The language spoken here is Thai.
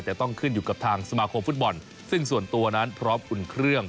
แต่ต้องขึ้นอยู่กับทางสมาคมฟุตบอลซึ่งส่วนตัวนั้นพร้อมอุ่นเครื่อง